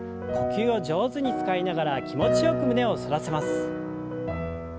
呼吸を上手に使いながら気持ちよく胸を反らせます。